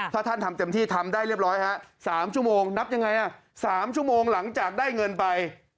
ถ้าท่านทำเต็มที่ทำได้เรียบร้อยฮะ๓ชั่วโมงนับยังไง๓ชั่วโมงหลังจากได้เงินไป